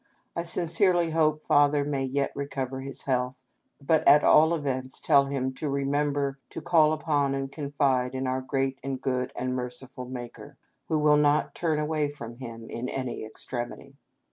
I sincerely hope Father may yet recover his health ; but at all events tell him to remember to call upon and confide in our great, and good, and merciful Maker, who will not turn away from him in any extremity.